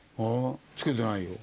着けてないよ。